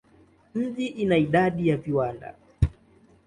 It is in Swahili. Mji ina idadi ya viwanda.